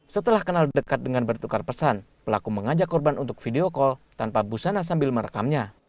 setelah kenal dekat dengan bertukar pesan pelaku mengajak korban untuk video call tanpa busana sambil merekamnya